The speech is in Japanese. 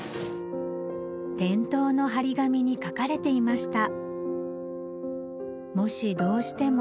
店頭の張り紙に書かれていました